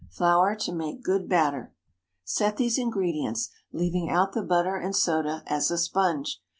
Flour to make good batter. Set these ingredients—leaving out the butter and soda—as a sponge.